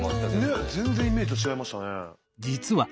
ねえ全然イメージと違いましたね。